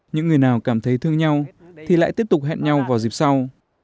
những người nào cảm thấy thương nhau thì lại tiếp tục hẹn nhau vào dịp sau